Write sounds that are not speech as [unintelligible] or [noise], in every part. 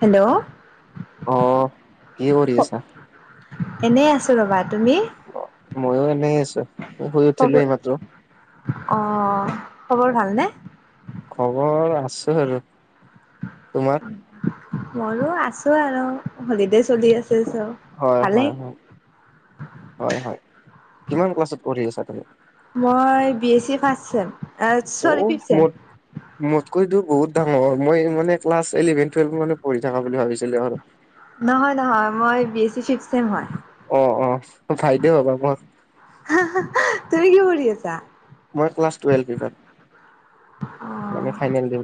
Hello. অ', কি কৰি আছা? এনেই আছোঁ ৰ'বা। তুমি? মইও এনেই আছো, শুই উঠিলো এই মাত্ৰ। অঁ', খবৰ ভাল নে? খবৰ আছো আৰু। তোমাৰ? মোৰো আছো আৰু হলিডে চলি আছে চ। ভালেই হয়-হয়, হয়, হয়-হয়। কিমান ক্লাছত পঢ়ি আছা তুমি? মই B S C first sem. ঔ চৰি ফিফ চেম ম- মোতকৈ তো বহুত ডাঙৰ, মই মানে ক্লাছ ইলেভেন, টুৱেল্ভ মানত পঢ়ি থকা বুলি ভাবিছিলো আৰু। নহয়-নহয় মই বি এছ চি চিক চেম হয়। অঁ', -অঁহ', বাইদেউ হবা মোৰ। তুমি কি কৰি আছা? মই ক্লাছ টুৱেল অ মানে ফাইনেল দিম।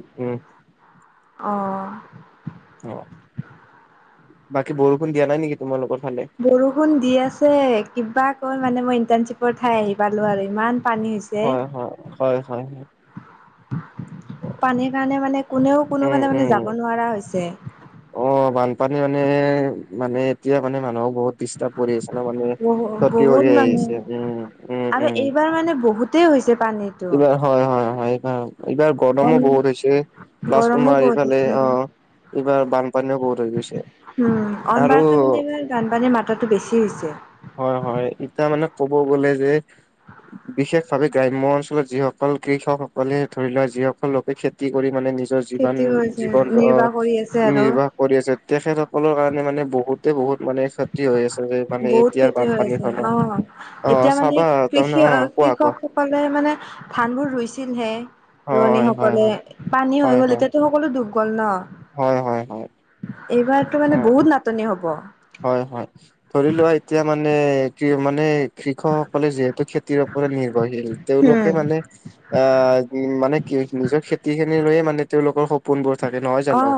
অঁ। অ', বাকী বৰষুণ দিয়া নাই নেকি তোমালোকৰ ফালে? বৰষুণ দি আছে কিবা কে মানে মই ইণ্টাৰ্ণশ্বিপৰ ঠাই আহি পালোঁ আৰু। ইমান- পানী হৈছে হয়-হয়, হয়-হয়। পানীৰ কাৰণে মানে কোনেও উম, কোনোফালে মানে উম। যাব নোৱাৰা হৈছে। অ', বানপানী মানে, মানে এতিয়া মানে মানুহক বহুত দি- কৰি আহিছে ন' মানুহে, বহু ক্ষতি বহুত কৰি আহিছে। উমঁ-উমঁ-উমঁ। তাৰ মানে বহু- তেই হৈছে পানী। এইবাৰ হয়-হয়-হয়, এইবাৰ অঁ',। এইবাৰ- অন গৰমো বহুত হৈছে, প্লাছ গৰমো তোমাৰ বহুত এইফালে হৈছে অঁ', - এইবাৰ বানপানীও বহুত হৈ গৈছে। উম অনবাৰকৈ মানে আৰু- এইবাৰ বানপানীৰ মাত্ৰাটো বেছি হৈছে। হয় হয়, এতিয়া মানে ক'ব গ'লে যে- বিশেষ ভাৱে গ্ৰাম্য অঞ্চলত যিসকল কৃষকসকলে ধৰি লোৱা যিসকল লোকে খেতি কৰি মানে নিজৰ- জীৱন খেতি কৰিছে জীৱনটো অ নিৰ্বাহ কৰি আছে আৰু নিৰ্বাহ- কৰি আছে তেখেতসকলৰ কাৰণে মানে বহুতে বহুত মানে ক্ষতি হৈ আছে যে মানে- এতিয়াৰ ক্ষতি হৈ বানপানীৰ আছে ফলত অঁ অ এতিয়া মানে চাবা তাৰমানে কৃষি অ কোৱা কোৱা কৃষক- কলে মানে ধান বোৰ ৰুইছিলহে হয় হয় ৰোৱনীসকলে হয় পানী হৈ হয় গ'ল হয় এতিয়াটো- সকলো দুব গ'ল ন। হয় হয়। হয় এইবাৰতো অ মানে বহুত নাটনি হব। হয় হয়, ধৰি লোৱা এতিয়া মানে কি মানে- কৃষকসকলে যিহেতু খেতিৰ ওপৰত নিৰ্ভৰশীল উম তেওঁলোকে মানে- আহ মানে কি নিজৰ খেতি খিনি লৈয়ে মানে তেওঁলোকৰ সপ- পোনবোৰ থাকে নহয় অ জানো? অ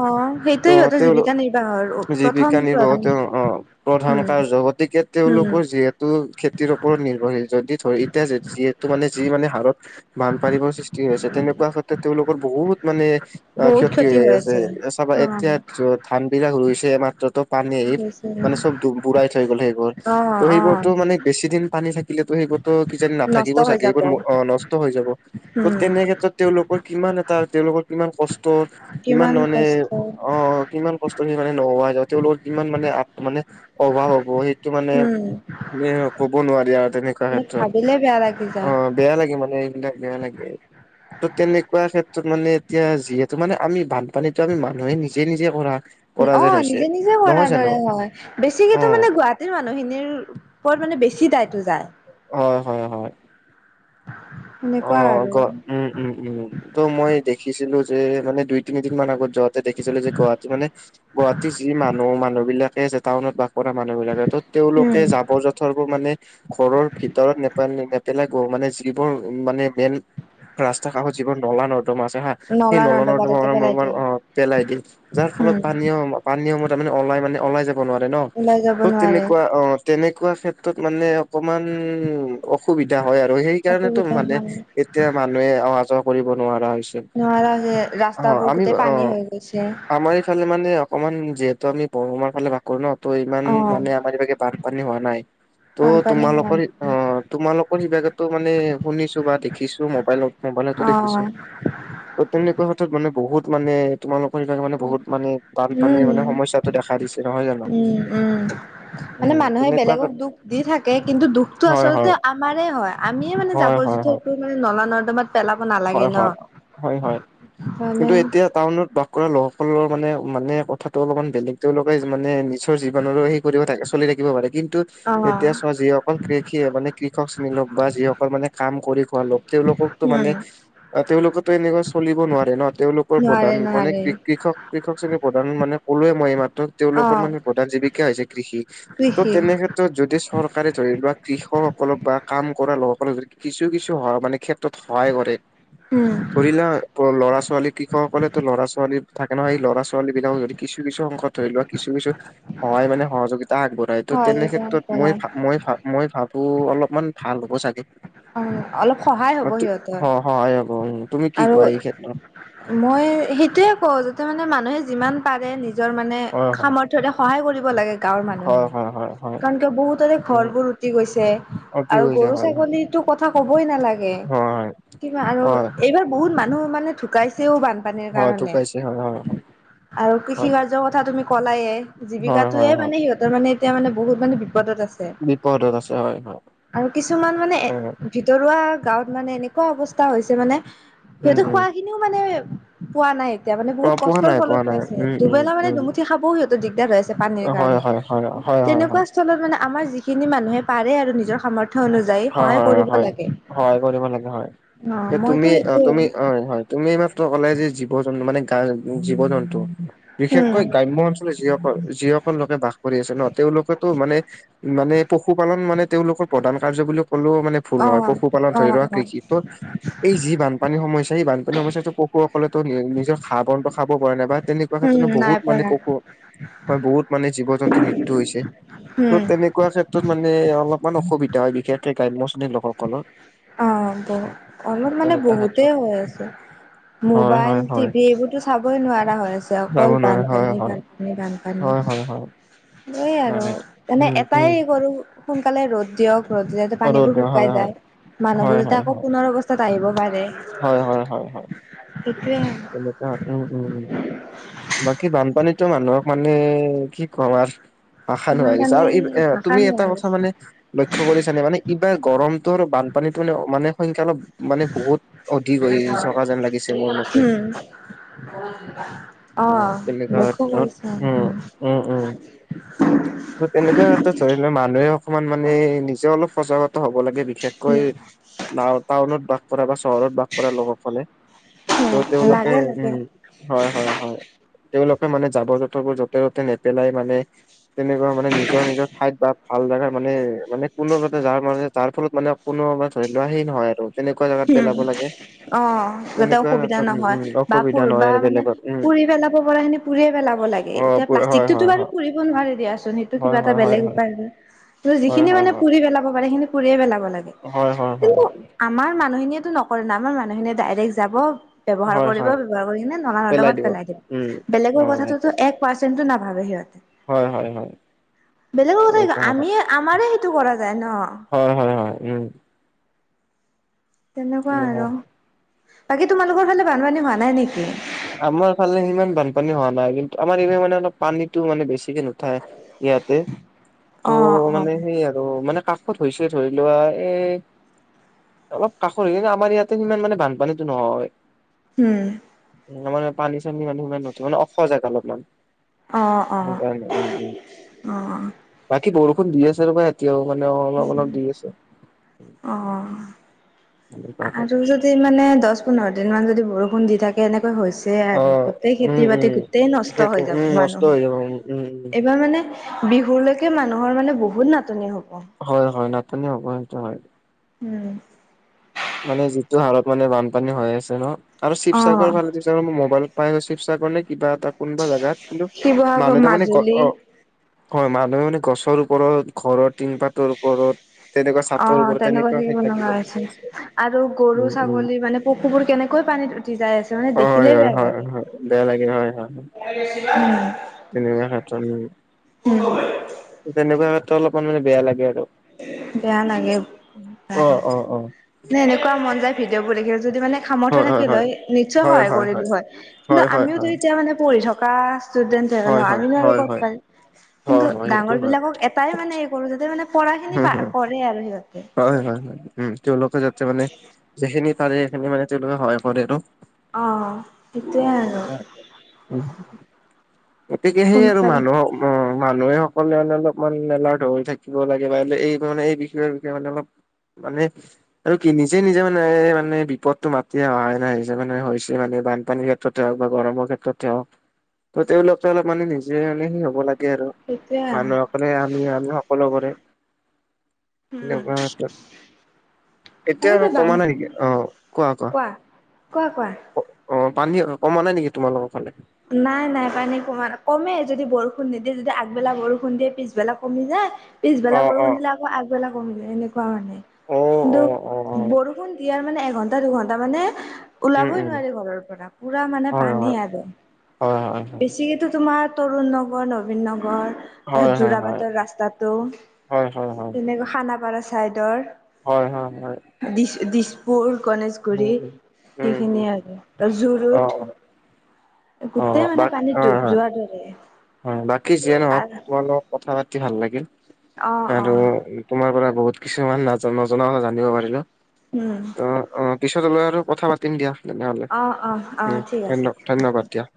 সেইটোৱে ত' সিহঁতৰ তেওঁলোক জীৱিকা নিৰ্বাহৰ প্ৰথম জীৱিকা প্ৰধান নিবাসত- তেওঁ অঁ' প্ৰধান উম কাৰ্য, গতিকে উম তেওঁলোকৰ যিহেত- তু খেতিৰ ওপৰত নিৰ্ভৰশীল, যদি ধৰি এতিয়া যে যিহেতু মানে যি মানে হাৰত- বানপানীবোৰ সৃষ্টি হৈ আছে, তেনেকুৱা ক্ষেত্ৰত তেওঁলোকৰ বহুত মানে- অ' ক্ষতি হৈ আছে, চাবা অ', এতিয়া ধান বিলাক ৰুইছে মাত্ৰ ত' পানী- মানে চব দু বোৰাই থৈ গ'ল সেইবোৰ। অ', ত' অ', সেইবোৰতো মানে বেছি দিন পানী থাকিলেতো সেইবোৰতো কিজানি নাথাকিব চাগে, এইবোৰ অ' নষ্ট হৈ যাব। ত' তেনে হুম' ক্ষেত্ৰত তেওঁলোকৰ কিমান এটা, তেওঁলোকৰ কিমান কষ্ট কিমান মানে অঁ অঁ'- কিমান কষ্টখিনি মানে নোহোৱা হৈ যাব, তেওঁলোকৰ কিমান মানে আ' মানে অভাৱ হ'ব এই- টো মানে উম, এ ক'ব নোৱাৰি আৰু তেনেকুৱা মানে ক্ষেত্ৰত। ভাবিলে বেয়া লাগি যায়। অঁ'- বেয়া লাগে মানে এইবিলাক, বেয়া লাগে। ত' তেনেকুৱা ক্ষেত্ৰত মানে এতিয়া যিহেতু মানে আমি বান- পানীটো আমি মানুহে নিজে, নিজে কৰা, কৰা যেন হৈছে। এইটোৱে কৰা নহয় জানো দৰে হয়, বেছি অ কিন্তু মানে গুৱাহা- তীৰ মানুহখিনিৰ ওপৰত মানে বেছি দায়তো যায়। অঁ' হয়, হয়। সেনেকুৱা অঁ' আৰু গ উম, উম, উম। ত' মই দেখিছিলো যে মানে দুই তিনিদিন মান আগত যাওঁতে দেখিছিলো যে গুৱাহাটী মানে- গুৱাহাটী যি মানুহ, মানুহ বিলাকে যে টাউনত বাস কৰা মানুহ বিলাকে ত' উম, তেওঁলোকে যাবৰ যু- থৰবোৰ মানে ঘৰৰ ভিতৰত নেপল নেপেলাই গ মানে, যিবোৰ- উম মানে মেন ৰাস্তাৰ কাষত যিবোৰ নলা-নৰ্দমা আছে হাঁ- সেই নলা নৰ্দমা নলা-নৰ্দমা তাতে পেলাই দিয়ে [unintelligible] অঁহ' পেলাই দিয়ে, যাৰ ফলত উম, পানী অলমান- পানী সমূহ তাৰমানে ওলাই মানে, ওলাই যাব নোৱাৰে ন, ওলাই যাব ত' নোৱাৰে তেনেকুৱা অঁহ'- তেনেকুৱা ক্ষেত্ৰত মানে অকমান অসুবিধা হয় আৰু সেইকাৰণেটো অসুবিধা মানে- হয়। এতিয়া মানুহে অহা যোৱা কৰিব নোৱাৰা হৈছে। নোৱাৰা যে, ৰাস্তাবোৰ গোটেই পানী হৈ গৈছে। ফালে মানে অকমান যিহেতু আমি বৰমাৰ ফালে বাস- কৰোঁ ন, ত' ইমান অ', মানে আমাৰ ইফালে বানপানী হোৱা নাই। ত' বানপানী হোৱা তোমালোকৰ নিচিনা। অঁ' তোমালোকৰ সিবাগেটো মানে- শুনিছো বা দেখিছো মবাইলত অ', মবাইলটো দেখিছো। ত' তেনেকুৱা কথাত মানে বহুত মানে- তোমালোকৰ এইবাকে মানে, বহুত মানে, বানপানীৰ মানে উম, সমস্যটো দেখা দিছে, নহয় জানো? উম, উম। মানে উম, মানুহে তেনেকুৱা বেলেগক দুখ দি থাকে, কিন্তু দুখটো হয়, আচলতে হয়, আ আমাৰেই হয়, আমিয়েই মানে হয়, হয়, জাবৰ হয়। জোথৰটো মানে নলা-নৰ্দমাত পেলাব নালাগে। হয় ন হয়, হয় হয়, সেইকাৰণে কিন্তু এতিয়া টাউনত বাস কৰা লোকসকলৰ মানে, মানে কথাটো অলপমান বেলেগ, তেওঁলোকে মানে নিজৰ জীৱনৰো সেই কৰি থাকে, চলি থাকিব পাৰে, কিন্তু অ', এতিয়া চোৱা যিসকল কৃষিয়ে মানে, কৃষক শ্ৰেণীৰ লোক বা যিসকল মানে কাম কৰি খোৱা লোক তেওঁলোককটো মানে উম, তেওঁলোকৰটো এনেকুৱা চলিব নোৱাৰে ন, তেওঁলোকৰ প্ৰধান নোৱাৰে মানে নোৱাৰে। কৃ-কৃষক কৃষক শ্ৰেণীৰ প্ৰধান মানে, ক'লোৱেই মই এইমাত্ৰ। তেওঁলোকৰ অ', মানে প্ৰধান জীৱিকা হৈছে কৃষি, ত' কৃষি তেনে ক্ষেত্ৰত যদি চৰকাৰে ধৰি লোৱা, কৃষকসকলক বা কাম কৰা লোকসকলক, যদি কিছু কিছু সহায় মানে ক্ষেত্ৰ ত সহায় কৰে। উম। এতিয়া ল'ৰা-ছোৱালী, কৃষকসকলেটো ল'ৰা-ছোৱালী থাকে নহয়, এই ল'ৰা-ছোৱালী বিলাকক যদি কিছু কিছু অংশত ধৰি লোৱা, কিছু কিছু সহায় মানে, সহযোগিতা আগবঢ়াই, ত' হয় তেনে এইটো ক্ষেত্ৰত কৰা মই ভা, মই ভা মই ভাবো, অলপমান ভাল হ'ব চাগে। উম, অলপ সহায় হ'ব অ', সিহঁত সহায় হ'ব, তুমি কি কোৱা এই ক্ষেত্ৰত? মই সেইটোয়েই কওঁ, যাতে মানে মানুহে যিমান পাৰে, নিজৰ মানে হয় হয় সামৰ্থ ধৰা সহায় কৰিব লাগে। গাঁৱৰ হয় মানুহখিনিক, হয় হয় হয় কাৰণ কিয় বহুতৰে উম ঘৰবোৰ উটি গৈছে, অতি আৰু হৈছে গৰু হয় হয় ছাগলী টো কথা ক'বই নালাগে, হয় কিবা আৰু হয় হয় এইবাৰ বহুত মানুহ মানে ঢুকাইছেও বান পানীৰ হয় কাৰণে ঢুকাইছে হয় হয় হয় আৰু কৃষি হয় কাৰ্যৰ কথা তুমি ক'লায়েই। হয় হয় জীৱিকাটোৱেই হয় মানে সিহঁতৰ মানে এতিয়া মানে বহুত মানে বিপদত আছে। বিপদত আছে হয় হয় আৰু কিছুমান মানে অ ভিতৰুৱা গাঁৱত মানে, এনেকুৱা অৱস্থা হৈছে মানে, উম সিহতে উম খোৱা খিন মানে পোৱা নাই, এতিয়া মানে অ বহুত পোৱা কষ্টৰ নাই ফলত পোৱা নাই পাইছে, উম উম দুবেলা মানে উম দুমুঠি খাবও সিহ দিগদাৰ হৈছে পানীৰ হয় কাৰণে, হয় হয় হয় হয় হয় তেনেকুৱা অঞ্চলত মানে আমাৰ যিখিনি মানুহে পাৰে আৰু নিজৰ সামৰ্থ্য অনুযায়ী, হয় সহায় হয় কৰিব হয়, লাগে সহায় কৰিব লাগে হয়, অ মইতো তুমি, অ', সেইটোয়ে তুমি, হয় হয়, তুমি মাত্ৰ ক'লা যে জীৱ জন্তু, মানে গা জীৱ জন্তু বিশেষকৈ উম গ্ৰাম্য অঞ্চলত যিসকল, যিসকল লোকে বাস কৰি আছে ন, তেওঁলোকেতো মানে মানে পশুপালন মানে, তেওঁলোকৰ প্ৰধান কাৰ্য বুলি কলেওঁ মানে ভুল অ নহয়, পশুপালন অ ধৰি লোৱা অ কৃষিত এই যি বানপানীৰ সমস্যা, এই বানপানীৰ সমস্যাটো পশুসকলেতো নিজৰ ঘাঁহ বনটো খাব পৰা নাই, বা তেনেকুৱা ক্ষেত্ৰত মানে উম নাই বহুত পৰা মানে নাই। পশু হয়, বহুত মানে জীৱ জন্তুৰ মৃত্যু হৈছে, উম ত' তেনেকুৱা ক্ষেত্ৰত মানে অলপমান অসুবিধা। হয়, বিশেষকৈ গ্ৰাম্য শ্ৰেণীৰ লোকসকলৰ। অ', বহু, অলপ মানে তেনেকুৱা বহুতেই ক্ষেত্ৰত হৈ আছে। হয় মোবাইল হয় হয় টিভি এইবোৰতো চাবই নোৱাৰা হৈ আছে, যাব অকল নোৱাৰে হয় বানপানী, হয় বানপানী, বানপানী। হয়, হয়, হয়। সেইয়াই আৰু, হয় মানে উম এটাই উম হেৰি কৰো, সোনকালে ৰ'দ দিয়ক। ৰদ দিলেতো ৰ'দ পানীবোৰ দিয়া হয় শুকাই হয় যায়, হয় মানুহবোৰ যাতে হয় আকৌ হয় পুনৰ অৱস্থাত আহিব পাৰে। হয়, হয়, হয়, হয়। সেইটোৱে অ', উম উম উম, বাকী বানপানীটো মানুহক মানে, কি কম আৰু? ভাষা ইমান নোৱাৰি [unintelligible] মানে আৰু ভাষা তুমি এটা কথা মানে নোহোৱা লক্ষ্য কৰিছ নে মানে এইবাৰ গৰমটোৰ বানপানীটো মানে মানে সংখ্যা অলপ মানে বহুত অধিক হৈ থকা যেন লাগিছে মোৰ মতে হম অ অহ তেনেকুৱা লক্ষ ক্ষেত্ৰত কৰিছো অ উম উম উম ত তেনেকুৱা ক্ষেত্ৰত ধৰি লোৱা মানুহে অকমান মানে নিজেও অলপ সজাগত হ'ব লাগে বিশেষকৈ উম না টাউনত বাস কৰা বা চহৰত বাস কৰা লোকসকলে উম ত তেওঁলোকে লাগে লাগে উম হয় হয় হয় তেওঁলোকে মানে জাবৰ জোথৰবোৰ য'তে ত'তে নেপেলাই মানে তেনেকুৱা মানে নিজৰ নিজৰ ঠাইত বা ভাল জেগা মানে মানে কোনোতে যাৰ মানে যাৰ ফলত মানে কোনোবাৰ ধৰি লোৱাহে নহয় আৰু তেনেকুৱা জাগাত উম পেলাব লাগে অ যাতে তেনেকুৱা অসুবিধা ক্ষেত্ৰত উম নহয় উম বা প অসুবিধা নহয় বা আৰু মানে বেলেগত উম পুৰি পেলাব পাৰি পুৰিয়ে পেলাব লাগে অ এতিয়া প্লাষ্টিক হয় টো হয় পুৰি নোৱাৰে দিয়াচোন সেইটো কিবা হয় এটা হয় হয় বেলেগ হয় উপায় হয় হয় যিখিনি হয় মানে পুৰি পেলাব পাৰে সেইখিনি পুৰিয়ে পেলাব লাগে হয় হয় হয় কিন্তু আমাৰ মানুহখিনিয়েতো নকৰে ন আমাৰ মানুহখিনিয়ে ডাইৰেক্ট যাব ব্যৱহাৰ হয় কৰিব হয় ব্যৱহাৰ কৰি কিনে নলা নৰ্দমাত পেলাই দিব উম বেলেগৰ হয় সেইটো কথাটোতো এক পাৰ্চেন্টু নাভাবে সিহঁতে হয় হয় হয় বেলেগৰ কথা তেনেকুৱা আমিয়ে আমাৰে সেইটো কৰা যায় ন হয় হয় হয় উম তেনেকুৱা আৰু হয়। বাকী তোমালোকৰ ফালে বানপানী হোৱা নাই নেকি আমাৰ ফালে সিমান বানপানী হোৱা নাই কিন্তু আমাৰ এই মানে অলপ পানীতটো মানে বেছিকে নুঠায় ইয়াতে অ ত' অ মানে সেই আৰু মানে কাষত হৈছে ধৰি লোৱা এ অলপ কাষৰে আমাৰ ইয়াতে সিমান মানে বানপানীতো নহয় উম উম্ আমাৰ ইয়াত পানী চানী মানে নোসোমাই মানে অলপ উখ জেগা অলপমান অঁ অঁ সেইকাৰণে উম উম অঁ বাকী বৰষুণ দি আছে ৰবা এতিয়াও মানে অলপ অলপ দি আছে অ আৰু যদি মানে দহ পোন্ধৰ দিন মান যদি বৰষুণ দি থাকে এনেকৈ হৈছে এয়াই অ আৰু গোটেই উম খেতি উম বাতি গোটই নষ্ট সেইটো হৈ উম যাব নষ্ট হৈ যাব উম উম উম মানুহৰ এইবাৰ মানে বিহুলৈকে মানুহৰ মানে বহুত নাটনি হ'ব হয় হয় নাটনি হ'ব সেইটো হয় উম মানে যিটো হাৰত মানে বানপানী হৈ আছে ন আৰু শিৱসাগৰ অ', ফালে মই মোবাইলত পাই আছো শিৱসাগৰ নে কিবা এটা কোনোবা জেগাত কিন্তু শিৱসাগৰ, মানুহ তাৰ মানে মাজুলী অ হয় মানুহে মানে গছৰ ওপৰত ঘৰৰ তিন পাতৰ ওপৰত তেনেকুৱা চাতৰ ওপৰত তেনেকুৱা ঠাইত থাকিব লগীয়া হৈছে আৰু গৰু উম উম ছাগলী মানে পশুবোৰ কেনেকৈ পানীত উঠি যাই আছে হয় নে দেখিলেই হয় বেয়া হয় লাগে হয় বেয়া লাগে হয় হয় উম্ তেনেকুৱা ক্ষেত্ৰত উম উম তেনেকুৱা ক্ষেত্ৰত অলপমান মানে বেয়া লাগে আৰু বেয়া লাগে অ অ অ এনেকুৱা মন যায় ভিডিঅ' বোৰ দেখিলে যদি মানে সামৰ্থ হয় হয় থাকিল লৈ নিশ্চয় সহায় কৰিলো হয় কিন্তু হয় হয় আমিওতো হয় এতিয়া মানে পঢ়ি থকা ষ্টোডেন্ট হয় [unintelligible] আমিনো হয় আৰু হয় ক'ত হয় পাম হয় হয় কিন্তু হয় সেইটো হয় ডাঙৰবিলাকক এটাই মানে পঢ়ো যেতিয়া মানে পঢ়াখিনি হম পা হম কৰে আৰু সিহঁতে। হয় হয় হয়, উম, তেওঁলোকে যাতে মানে যিখিনি পাৰে সেইখিনি মানে তেওঁলোকে সহায় কৰে আৰু। অ', সেইটোয়ে আৰু [unintelligible] গতিকে সেই আৰু সোনকালে মানুহক অ' মানুহে সকলে মানে অলপমান এলাৰ্ট হৈ থাকিব লাগে বা এই মানে এই বিষয়ে সেইমানে অলপ মানে আৰু কি নিজে নিজে মানে এ, মানে বিপদতটো মাতি অহাই নাই নিজে মানে হৈছে মানে বানপানীৰ ইয়াত। ত'তে হওক বা গৰমৰ ক্ষেত্ৰতে হওক ত' তেওঁল অলপ মানে নিজে মানে হে হ'ব লাগে আৰু। সেইটোয়ে আৰু। মানুহসকলে আমি, আমি সকলোবোৰে। উম, লেবাৰ এটা এতিয়া আৰু আচলতে বান কমা নাই নেকি? অ' কোৱা, কোৱা। অ' পানী কমা নাই নেকি তোমালোকৰ ফালে? নাই নাই পানী কমা, কমে যদি বৰষুণ নিদিয়ে যদি আগবেলা বৰষুণ দিয়ে পিছবেলা কমি যায় অ পিছবেলা অ বৰষুণ দিলে আকৌ আগবেলা কমি যায় এনেকুৱা হয় মানে অ কিন্তু অ অ বৰষুণ দিয়াৰ মানে এঘন্টা দুঘন্টা মানে উম ওলাবই উম নোৱাৰি ঘৰৰ পৰা, পুৰা মানে পানী আৰু। হয় হয় হয়। বেছিকেতো তোমাৰ তৰুণ নগৰ, নবীন নগৰ হয় হয় তাত হয় যোৰাবাটৰ ৰাস্তাটো, হয় হয় হয় তেনেকৈ খানাপাৰা চাইডৰ হয় হয় হয়। দিছ-দিছপুৰ, গণেশগুৰি উম উম উম উম সেইখিনিয়ে আৰু, অ যৰুুট। অ অ গোটেই মানে বাক পানীত অ ডুব হয় যোৱাৰ ধৰে। হয়, বাকী যিয়ে ন'হওক তোমাৰ লগত কথা পাতি ভাল লাগিল অ', আৰু অ', তোমাৰ পৰা বহুত কিছুমান ন' নজনা কথা জানিব পাৰিলোঁ। উম। অ', অ' পিছত লৈ আৰু কথা পাতিম দিয়া তেনেহ'লে, অ', অ', অ', উম, ঠিক আছে। ধন্য-ধন্যবাদ দিয়া।